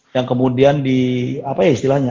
yang kemudian di apa ya istilahnya